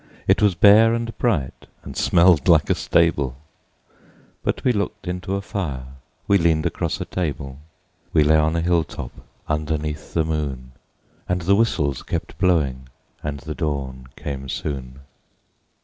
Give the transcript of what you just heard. It was bare and bright, and smelled like a stable But we looked into a fire, we leaned across a table, We lay on a hilltop underneath the moon; And the whistles kept blowing, and the dawn came soon.